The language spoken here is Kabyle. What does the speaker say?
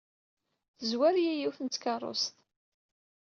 Tezwar-iyi yiwet n tkeṛṛust.